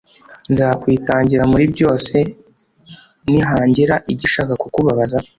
Nzakwitangira muri byose nihangira igishaka kukubabaza